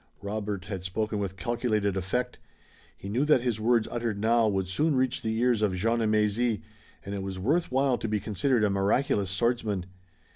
Robert had spoken with calculated effect. He knew that his words uttered now would soon reach the ears of Jean de Mézy, and it was worth while to be considered a miraculous swordsman.